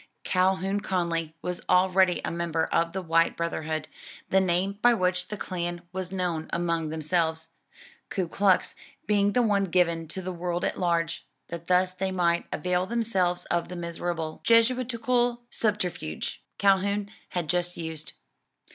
Calhoun Conly was already a member of the White Brotherhood, the name by which the Klan was known among themselves, Ku Klux being the one given to the world at large; that thus they might avail themselves of the miserable, Jesuitical subterfuge Calhoun had just used.